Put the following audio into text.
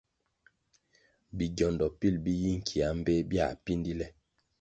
Bigiondo pil bi yi nkia mbpéh biãh píndí le.